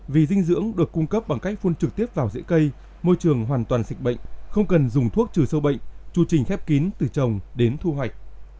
vì dinh dưỡng được cung cấp bằng cách phun trực tiếp vào dễ cây môi trường hoàn toàn dịch bệnh không cần dùng thuốc trừ sâu bệnh chù trình khép kín từ trồng đến thu hoạch